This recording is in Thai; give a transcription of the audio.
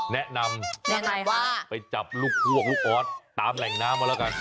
แนะนำยังไงว่าไปจับลูกพวกลูกออสตามแหล่งน้ำมาแล้วกัน